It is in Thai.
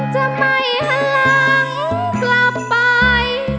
จะไม่หันหลังกลับไป